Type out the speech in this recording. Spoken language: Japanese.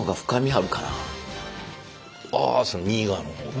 あそれ右側の方が？